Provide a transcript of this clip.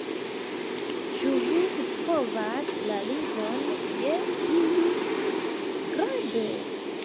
Ĉu vi scipovas la lingvon je iu grado?